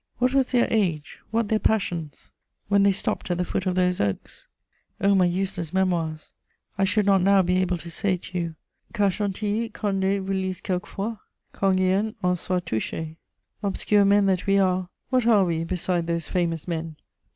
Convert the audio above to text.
What was their age, what their passions, when they stopped at the foot of those oaks? O my useless Memoirs, I should not now be able to say to you: Qu'à Chantilly Condé vous lise quelquefois; Qu'Enghien en soit touché! Obscure men that we are, what are we beside those famous men?